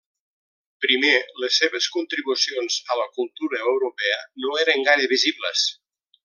Primer les seves contribucions a la cultura europea no eren gaire visibles.